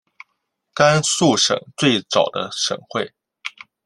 甘肃省最早的省会。